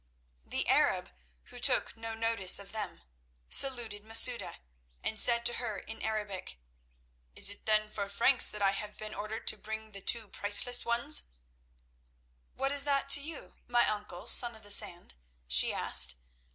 The Arab, who took no notice of them, saluted Masouda, and said to her in Arabic: "Is it then for Franks that I have been ordered to bring the two priceless ones?" "What is that to you, my Uncle, Son of the Sand?" she asked.